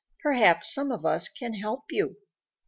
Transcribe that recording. "Perhaps some of us can help you."